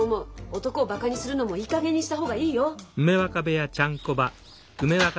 男をバカにするのもいいかげんにした方がいいよ。